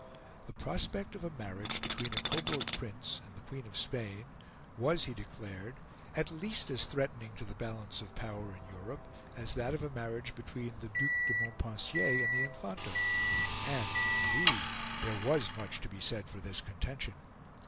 The prospect of a marriage between a Coburg Prince and the Queen of Spain was, he declared, at least as threatening to the balance of power in Europe as that of a marriage between the Duc de Montpensier and the Infanta; and, indeed, there was much to be said for this contention.